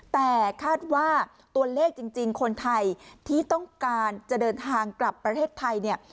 แต่คาดว่าตัวเลขจริงคนไทยที่ต้องการจะเดินทางกลับประเทศไทยเนี่ย